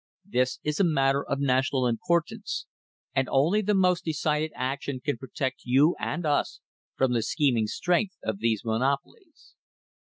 This is a mat ter of national importance, and only the most decided action can protect you and us from the scheming strength of these monopolies."